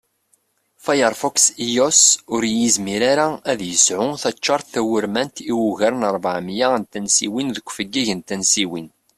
Firefox iOS ur yizmir ara ad yesεu taččart tawurmant i ugar n rbeɛ miyya n tansiwin deg ufeggag n tansiwin